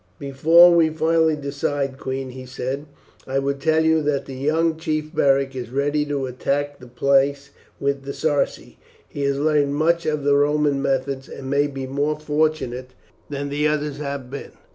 "Before we finally decide, queen," he said, "I would tell you that the young chief Beric is ready to attack the place with the Sarci. He has learned much of the Roman methods, and may be more fortunate than the others have been.